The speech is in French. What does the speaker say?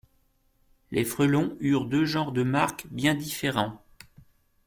Les Frellon eurent deux genres de marques bien différents.